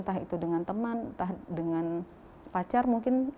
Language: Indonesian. entah itu dengan teman entah dengan pacar mungkin